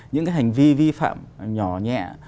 những cái hành vi vi phạm nhỏ nhẹ